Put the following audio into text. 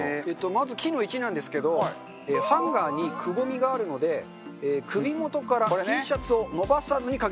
まず機能１なんですけどハンガーにくぼみがあるので首元からＴシャツを伸ばさずにかけられます。